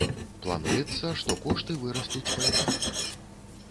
Плануецца, што кошты вырастуць паэтапна.